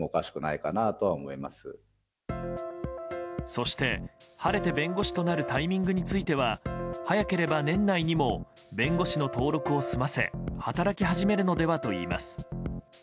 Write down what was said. そして、晴れて弁護士となるタイミングについては早ければ年内にも弁護士の登録を済ませ働き始めるのではといいます。